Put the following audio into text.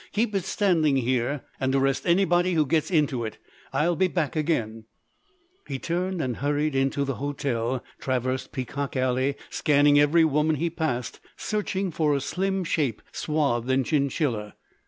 "Keep it standing here and arrest anybody who gets into it! I'll be back again——" He turned and hurried into the hotel, traversed Peacock Alley scanning every woman he passed, searching for a slim shape swathed in chinchilla.